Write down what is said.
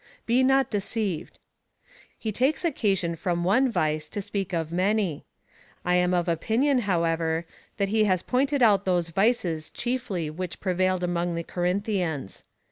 Be not deceived. He takes occasion from one vice to speak of many. I am of opinion, however, that he has pointed out those vices chiefly which prevailed among the Corinthians.